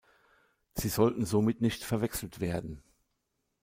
Sie sollten somit nicht verwechselt werden.